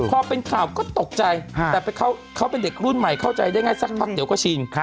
พอเป็นข่าวก็ตกใจแต่เขาเป็นเด็กรุ่นใหม่เข้าใจได้ง่ายสักพักเดี๋ยวก็ชิน